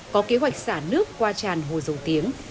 có kế hoạch xả nước qua tràn hồ dầu tiếng